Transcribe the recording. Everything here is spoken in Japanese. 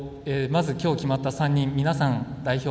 まずきょう決まった３人皆さん、代表